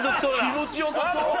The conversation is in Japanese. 気持ち良さそう。